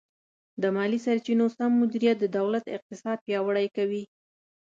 د مالي سرچینو سم مدیریت د دولت اقتصاد پیاوړی کوي.